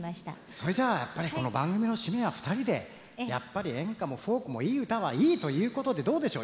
そいじゃあやっぱりこの番組の締めはふたりでやっぱり演歌もフォークもいい歌はいいということでどうでしょう